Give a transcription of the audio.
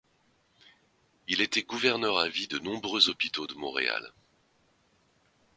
Il était gouverneur à vie de nombreux hôpitaux de Montréal.